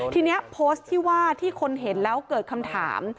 ทีนี้โพสต์ที่ว่าที่คนเห็นแล้วเกิดคำถาม